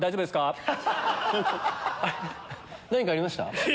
何かありました？